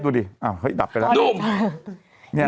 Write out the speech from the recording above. เป็นการกระตุ้นการไหลเวียนของเลือด